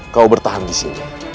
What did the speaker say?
kau bertahan disini